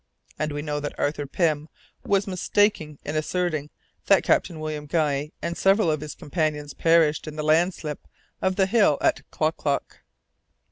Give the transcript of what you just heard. And we know that Arthur Pym was mistaken in asserting that Captain William Guy and several of his companions perished in the landslip of the hill at Klock Klock."